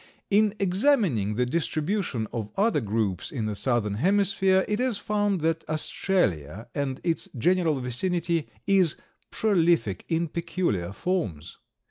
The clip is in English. In examining the distribution of other groups in the southern hemisphere, it is found that Australia and its general vicinity is prolific in peculiar forms.